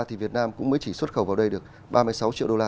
thì việt nam cũng mới chỉ xuất khẩu vào đây được ba mươi sáu triệu đô la